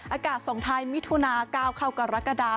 อากาศส่งไทยมิถุนา๙เข้ากับรักษาดา